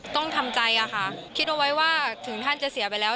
ต้องทำใจค่ะคิดเอาไว้ว่าถึงท่านจะเสียไปแล้ว